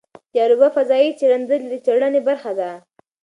د اروپا فضايي څېړندلې د څېړنې برخه ده.